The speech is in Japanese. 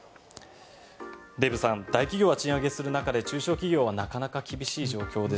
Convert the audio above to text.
デーブさん大企業は賃上げする中で中小企業はなかなか厳しい状況です。